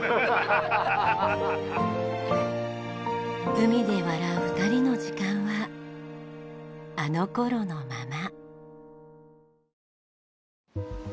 海で笑う２人の時間はあの頃のまま。